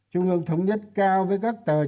trung ương thống nhất cao với các cán bộ chủ chốt